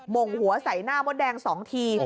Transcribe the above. ่งหัวใส่หน้ามดแดง๒ที